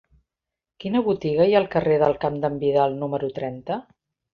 Quina botiga hi ha al carrer del Camp d'en Vidal número trenta?